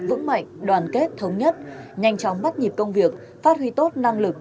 vững mạnh đoàn kết thống nhất nhanh chóng bắt nhịp công việc phát huy tốt năng lực